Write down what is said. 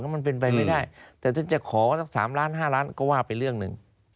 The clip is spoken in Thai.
มันเป็นไปไม่ได้แต่ถ้าจะขอสัก๓ล้าน๕ล้านก็ว่าไปเรื่องหนึ่ง